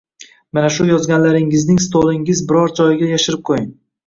Mana shu yozganlaringizning stolingizning biror joyiga yashirib qo`ying